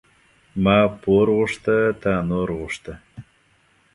ما پور غوښته تا نور غوښته.